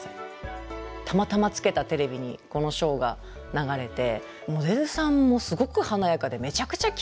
たまたまつけたテレビにこのショーが流れてモデルさんもすごく華やかで「めちゃくちゃきれいじゃない！」と。